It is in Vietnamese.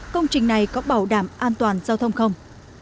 công trình này có bảo đảm an toàn giao thông không